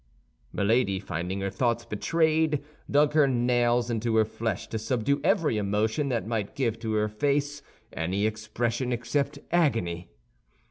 Milady, finding her thoughts betrayed, dug her nails into her flesh to subdue every emotion that might give to her face any expression except agony.